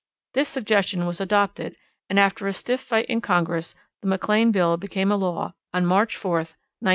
This suggestion was adopted and after a stiff fight in Congress the McLean Bill became a law on March 4, 1913.